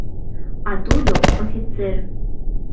А тудо — офицер!